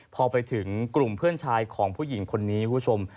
พอไปถึงกลุ่มเพื่อนชายของผู้หญิงคนนี้คุณผู้ชม